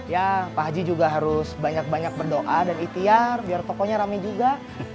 ya pak haji juga harus banyak banyak berdoa dan ikhtiar biar tokonya rame juga